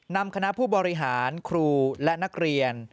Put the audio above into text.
นำคณะผู้บริหารครูและนักเรียน